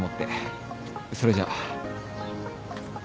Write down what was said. それじゃ。